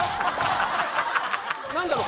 何だろう